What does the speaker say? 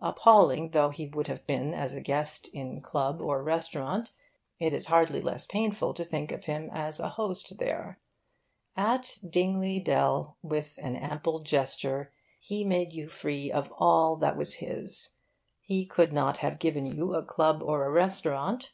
Appalling though he would have been as a guest in club or restaurant, it is hardly less painful to think of him as a host there. At Dingley Dell, with an ample gesture, he made you free of all that was his. He could not have given you a club or a restaurant.